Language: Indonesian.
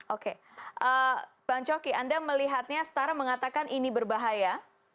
oke bang coki anda melihatnya setara mengatakan ini berbahaya